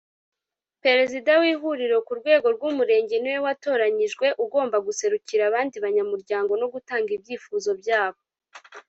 Perezida w’ ihuriro ku rwego rw’ Umurenge niwe watoranyijwe ugomba guserukira abandi banyamuryango no gutanga ibyifuzo byabo.